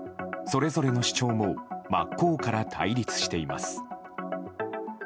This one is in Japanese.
それぞれの主張も真っ向から対立しています。